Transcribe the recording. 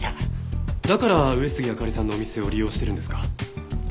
だから上杉明里さんのお店を利用しているんですか？